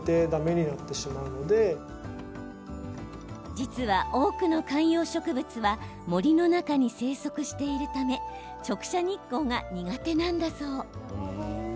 実は、多くの観葉植物は森の中に生息しているため直射日光が苦手なんだそう。